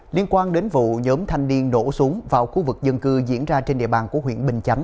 liên quan đến vụ nhóm thanh niên đổ xuống vào khu vực dân cư diễn ra trên địa bàn của huyện bình chánh